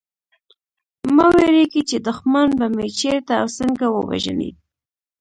مه وېرېږی چي دښمن به مي چېرته او څنګه ووژني